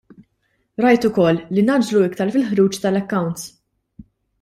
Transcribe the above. Rajt ukoll li ngħaġġlu iktar fil-ħruġ tal-accounts.